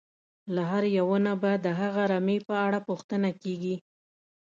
له هر یوه نه به د هغه رمې په اړه پوښتنه کېږي.